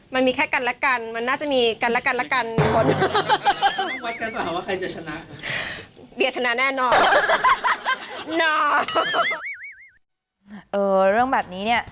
มันมีแค่กันและกันมันน่าจะมีกันและกันและกัน